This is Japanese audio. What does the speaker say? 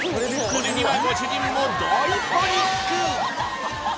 これにはご主人も大パニック！